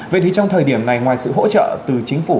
vậy thì trong thời điểm này ngoài sự hỗ trợ từ chính phủ